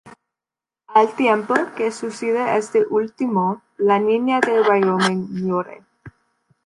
Al tiempo que sucede esto último, la niña de Wyoming muere.